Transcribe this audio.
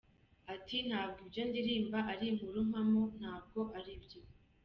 Ati “Ntabwo ibyo ndirimba ari inkuru mpamo, ntabwo ari byo.